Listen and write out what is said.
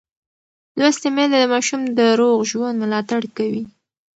لوستې میندې د ماشوم د روغ ژوند ملاتړ کوي.